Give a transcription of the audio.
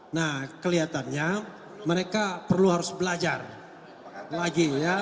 nah kelihatannya mereka perlu harus belajar lagi ya